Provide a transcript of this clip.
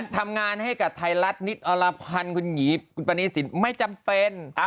ทำงานให้กับไทยรัฐนิดอรพันธ์คุณปณีสินไม่จำเป็น